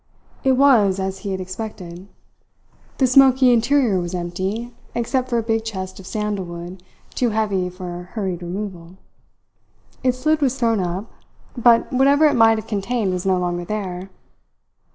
It was as he had expected. The smoky interior was empty, except for a big chest of sandalwood too heavy for hurried removal. Its lid was thrown up, but whatever it might have contained was no longer there.